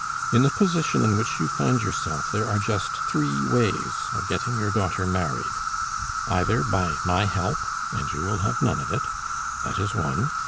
In the position in which you find yourself there are just three ways of getting your daughter married: Either by my help and you will have none of it! That is one.